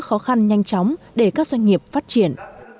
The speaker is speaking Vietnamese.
khó khăn nhanh chóng để các doanh nghiệp phát triển